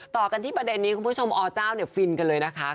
ต่อกันที่ประเด็นนี้คุณผู้ชมอเจ้าเนี่ยฟินกันเลยนะคะ